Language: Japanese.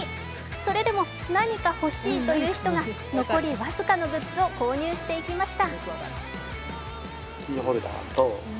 それでも何か欲しいという人が残り僅かのグッズを購入していきました。